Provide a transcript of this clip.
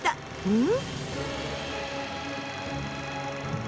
うん？